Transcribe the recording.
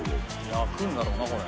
焼くんだろうなこれ。